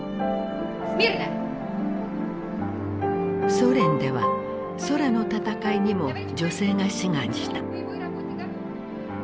ソ連では空の戦いにも女性が志願した。